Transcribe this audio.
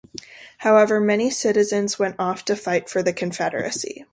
However, many citizens went off to fight for the Confederacy.